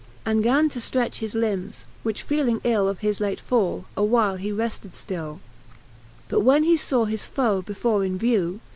And gan to ftretch his limbs; which feeling ill Of his late fall, a while he refted ftill: But when he faw his foe before in vew.